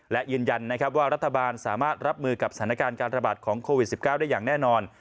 และยืนยันนะครับว่ารัฐบาลสามารถรับมือกับสถานการณ์การระบาดของโควิด๑๙ได้อย่างแน่นอน